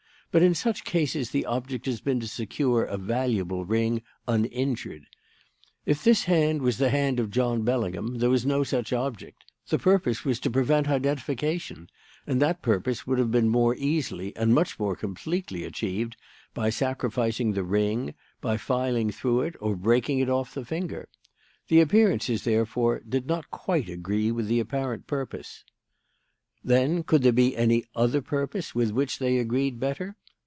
But in such cases the object has been to secure a valuable ring uninjured. If this hand was the hand of John Bellingham, there was no such object. The purpose was to prevent identification; and that purpose would have been more easily, and much more completely, achieved by sacrificing the ring, by filing through it or breaking it off the finger. The appearances, therefore, did not quite agree with the apparent purpose. "Then, could there be any other purpose with which they agreed better?